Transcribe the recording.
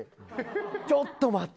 ちょっと待って。